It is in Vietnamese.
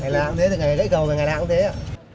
ngày nào cũng thế từ ngày cây cầu về ngày nào cũng thế ạ